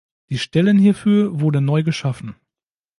Die Stellen hierfür wurden neu geschaffen.